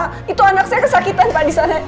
nah itu anak saya kesakitan pak di sana